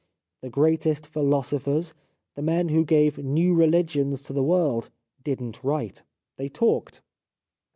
The greatest philosophers, the men who gave new religions to the world, did not write ; they talked.